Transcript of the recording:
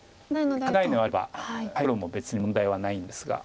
関係ないのであれば黒も別に問題はないんですが。